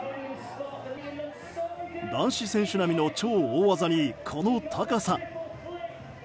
男子選手並みの超大技にこの高さ。